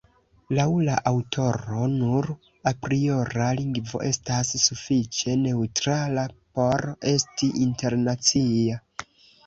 Laŭ la aŭtoro, nur apriora lingvo estas sufiĉe neŭtrala por esti internacia.